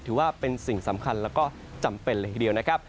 ถือว่าเป็นสิ่งสำคัญแล้วก็จำเป็นเลยทีเดียวนะครับ